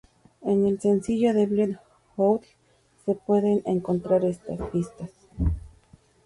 En el sencillo de "Bleed It Out" se pueden encontrar esas pistas.